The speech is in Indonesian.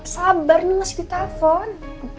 sabar nih masih ditelepon